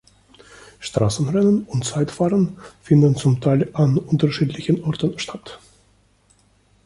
Straßenrennen und Zeitfahren finden zum Teil an unterschiedlichen Orten statt.